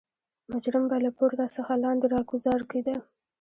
مجرم به له پورته څخه لاندې راګوزار کېده.